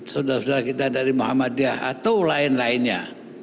sudara sudara kita dari muhammadiyah atau lain lainnya